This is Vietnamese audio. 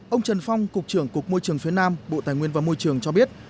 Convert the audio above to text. ông trần phong cục trưởng cục môi trường phía nam bộ tài nguyên và môi trường cho biết